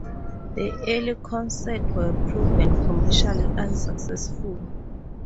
The early concerts were proven commercially unsuccessful.